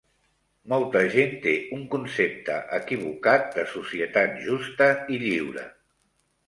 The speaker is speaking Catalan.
Molta gent té un concepte equivocat de societat justa i lliure.